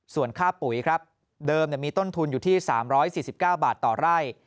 ส่วนค่าปุ๋ยครับเดิมมีต้นทุนอยู่ที่๓๔๙บาทต่อไร่